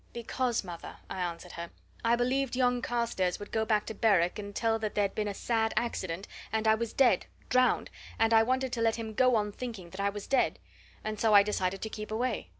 "Because, mother," I answered her, "I believed yon Carstairs would go back to Berwick and tell that there'd been a sad accident, and I was dead drowned and I wanted to let him go on thinking that I was dead and so I decided to keep away.